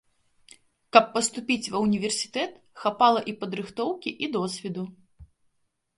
Каб паступіць ва універсітэт, хапала і падрыхтоўкі, і досведу.